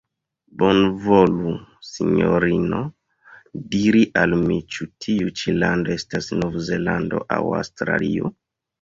Bonvolu, Sinjorino, diri al mi ĉu tiu ĉi lando estas Nov-Zelando aŭ Aŭstralio?.